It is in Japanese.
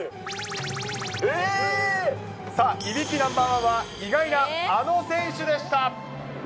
えー！さあ、いびきＮｏ．１は、意外なあの選手でした。